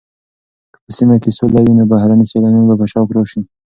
که په سیمه کې سوله وي نو بهرني سېلانیان به په شوق راشي.